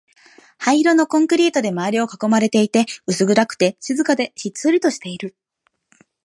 灰色のコンクリートで周りを囲まれていて、薄暗くて、静かで、ひっそりとしている